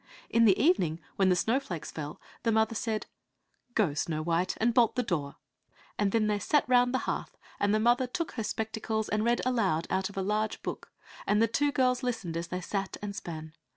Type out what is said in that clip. In the evening, when the snowflakes fell, the mother said, "Go, Snow white, and bolt the door," and then they sat round the hearth, and the mother took her spectacles and read aloud out of a large book, and the two girls listened as they sat and span.